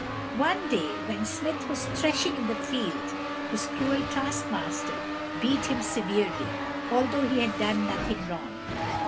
One day, when Smith was threshing in the field, his cruel taskmaster beat him severely, although he had done nothing wrong.